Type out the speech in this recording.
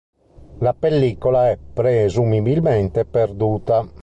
La pellicola è, presumibilmente, perduta.